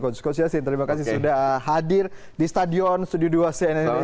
coach jasin terima kasih sudah hadir di stadion studio dua c indonesia